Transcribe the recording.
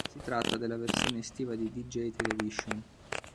Si trattava della versione estiva di "DeeJay Television".